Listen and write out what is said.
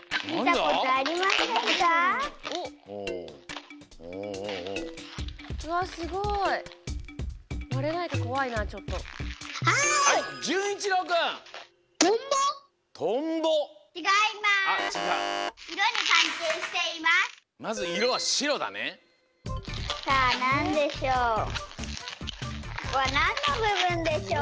ここはなんのぶぶんでしょう？